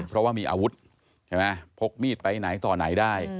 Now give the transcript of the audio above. เพราะว่ามีอาวุธเห็นไหมพกมีดไปไหนต่อไหนได้